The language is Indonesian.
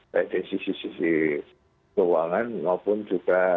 baik dari sisi sisi keuangan maupun juga